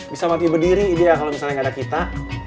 bisa mati berdiri dia kalau misalnya gak ada kita